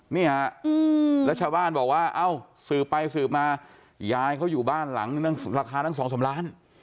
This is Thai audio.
เนี่ยแล้วชาวบ้านบอกว่าเอ้าสืบไปสืบมายายเขาอยู่บ้านหลังนึงตั้งราคาตั้ง๒๓ล้าน